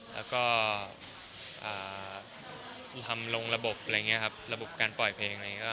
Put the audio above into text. แล้วก็ทำลงระบบอะไรอย่างนี้ครับระบบการปล่อยเพลงอะไรอย่างนี้